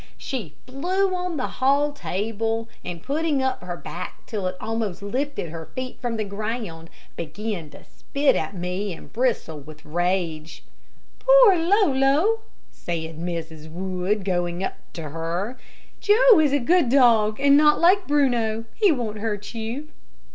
She flew on the hall table, and putting up her back till it almost lifted her feet from the ground, began to spit at me and bristle with rage. "Poor Lolo," said Mrs. Wood, going up to her. "Joe is a good dog, and not like Bruno. He won't hurt you."